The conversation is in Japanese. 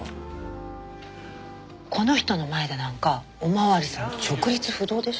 この人の前でなんかお巡りさん直立不動でしたもん。